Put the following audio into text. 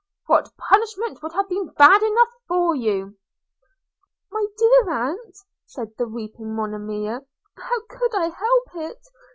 What punishment would have been bad enough for you?' 'My dear aunt,' said the weeping Monimia, 'how could I help it?